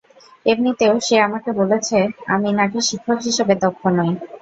এমনিতেও সে আমাকে বলেছে, আমি নাকি শিক্ষক হিসেবে দক্ষ নই।